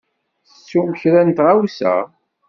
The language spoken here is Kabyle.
Tettum kra n tɣawsa?